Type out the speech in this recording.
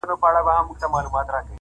نه خندا د چا پر شونډو باندي گرځي -